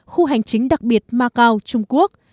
khu hành chính đặc biệt macau trung quốc